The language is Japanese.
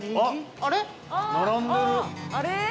あれ？